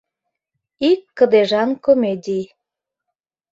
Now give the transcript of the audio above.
Ик кыдежан комедий